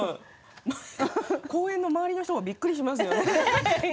公園の周りの人がびっくりしますよね